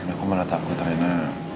aku malah takut rina